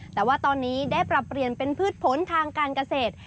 แต่ว่าตอนนี้ได้ปรับเปลี่ยนเป็นพืชผลทางการเกษตร